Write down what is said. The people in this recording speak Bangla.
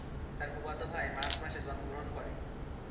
তার ফুফাতো ভাই মার্চ মাসে জন্মগ্রহণ করে।